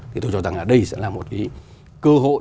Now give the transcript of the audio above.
thì tôi cho rằng là đây sẽ là một cái cơ hội